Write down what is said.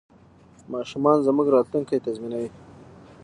ماشومان زموږ راتلونکی تضمینوي.